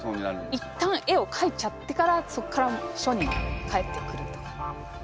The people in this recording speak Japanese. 一旦絵をかいちゃってからそっから書に帰ってくるとか。